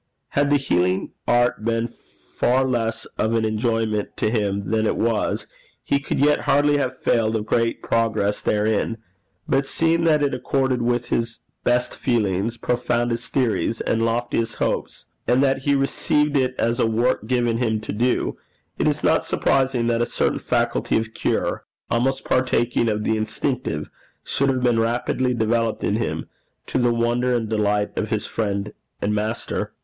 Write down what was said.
Had the healing art been far less of an enjoyment to him than it was, he could yet hardly have failed of great progress therein; but seeing that it accorded with his best feelings, profoundest theories, and loftiest hopes, and that he received it as a work given him to do, it is not surprising that a certain faculty of cure, almost partaking of the instinctive, should have been rapidly developed in him, to the wonder and delight of his friend and master.